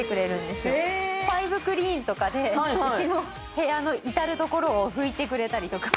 ファイブクリーンとかで家の部屋の至る所を拭いてくれたりとか。